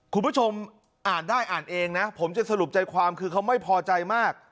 คุณผู้ชมอ่านได้อ่านเองนะผมจะสรุปใจความคือเขาไม่พอใจมาก